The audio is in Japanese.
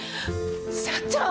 社長！